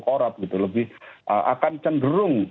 korup lebih akan cenderung